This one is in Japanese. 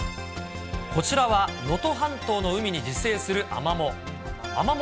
こちらは能登半島の海に自生するアマモ。